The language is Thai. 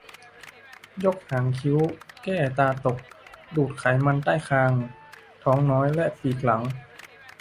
ยกหางคิ้ว แก้ตาตก ดูดไขมันใต้คาง ท้องน้อย และปีกหลัง